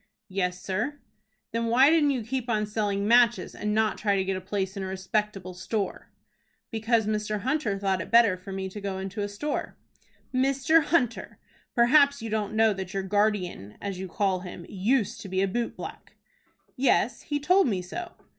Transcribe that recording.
"Yes, sir." "Then why didn't you keep on selling matches, and not try to get a place in a respectable store?" "Because Mr. Hunter thought it better for me to go into a store." "Mr. Hunter! Perhaps you don't know that your guardian, as you call him, used to be a boot black." "Yes, he told me so."